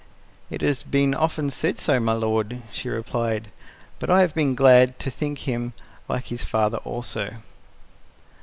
"It has been often said so, my lord," she replied, "but I have been glad to think him like his father also."